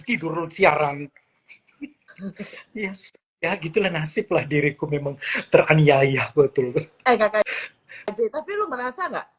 suruh siaran ya gitu nasiblah diriku memang teraniaya betul enggak tapi lu merasa enggak